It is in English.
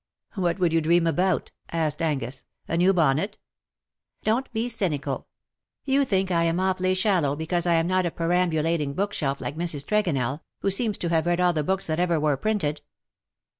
^^'' What would you dream about/^ asked Angus. "A new bonnet ?''" Don^t be cynical. You think I am awfully shallow, because I am not a perambulating book shelf like Mrs. Tregonell, who seems to have read all the books that ever were printed.